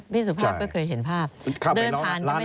สุภาพก็เคยเห็นภาพเดินผ่านใช่ไหม